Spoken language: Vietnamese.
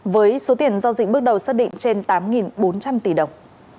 với số tiền giao dịch bước đầu xác định trên tám bốn trăm linh tỷ đồng